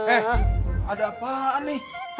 eh ada apaan nih